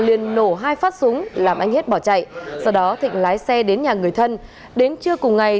liền nổ hai phát súng làm anh hết bỏ chạy sau đó thịnh lái xe đến nhà người thân đến trưa cùng ngày